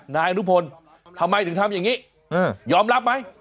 นายอนุพลทำไมถึงทำอย่างนี้ยอมรับไหม